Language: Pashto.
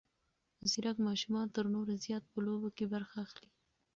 ځیرک ماشومان تر نورو زیات په لوبو کې برخه اخلي.